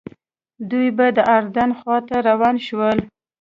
دوی به د اردن خواته روان شول.